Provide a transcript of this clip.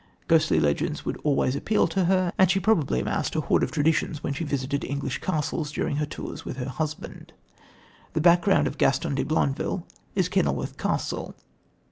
Ghostly legends would always appeal to her, and she probably amassed a hoard of traditions when she visited English castles during her tours with her husband. The background of Gaston de Blondeville is Kenilworth Castle.